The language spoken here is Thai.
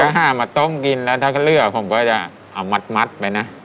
ถ้ามาต้มกินแล้วถ้าเขาเลือกผมก็จะเอามัดไปนะ